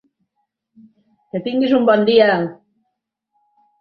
Que tinguis un bon dia!